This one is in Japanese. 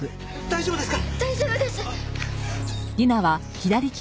大丈夫です。